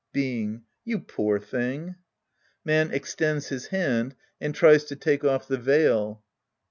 Being . You poor thing !. (^Man extends his hand and tries to take off thg veil.)